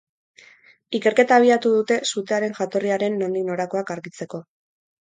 Ikerketa abiatu dute sutearen jatorriaren nondik norakoak argitzeko.